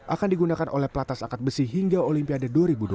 akan digunakan oleh pelatas angkat besi hingga olimpiade dua ribu dua puluh